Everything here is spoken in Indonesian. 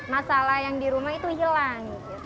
masalah yang di rumah itu hilang